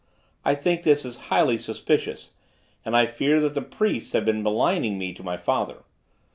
I think this is highly suspicious, and I fear that the priests have been maligning me to my father.